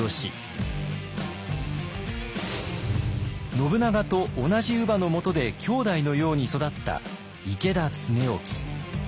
信長と同じ乳母のもとで兄弟のように育った池田恒興。